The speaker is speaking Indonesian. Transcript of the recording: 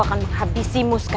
jangan lupa dengerin dessekan